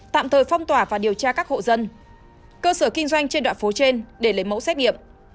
tạm thời phong tỏa và điều tra các hộ dân cơ sở kinh doanh trên đoạn phố trên để lấy mẫu xét nghiệm